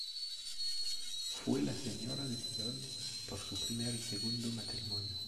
Fue la señora de Sidón por su primer y segundo matrimonio.